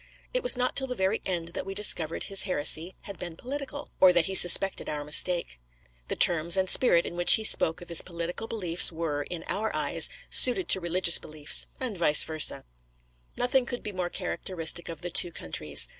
It was not till the very end that we discovered his heresy had been political, or that he suspected our mistake. The terms and spirit in which he spoke of his political beliefs were, in our eyes, suited to religious beliefs. And vice versâ. Nothing could be more characteristic of the two countries.